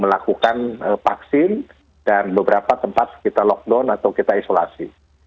melakukan vaksin dan beberapa tempat kita lockdown atau kita isolasi